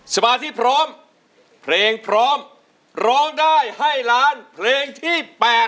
สมาธิพร้อมเพลงพร้อมร้องได้ให้ล้านเพลงที่๘